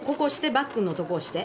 バックのとこ押して。